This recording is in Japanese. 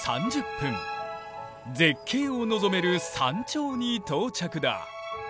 絶景を望める山頂に到着だ。